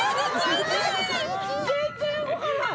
全然動かない！